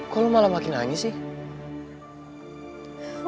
kok lo malah makin nangis sih